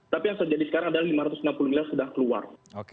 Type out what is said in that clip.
tapi yang terjadi sekarang adalah lima ratus enam puluh miliar sudah keluar